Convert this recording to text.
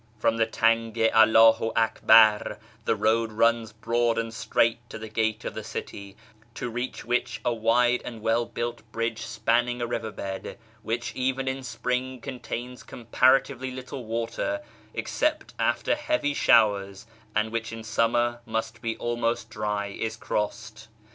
From the Tang i Allahu Akbar the road runs broad and straight to the gate of the city, to reach which a wide and well built bridge spanning a river bed (which, even in spring, contains comparatively little water except after heavy showers, and wdiich in summer must be almost dry) is crossed.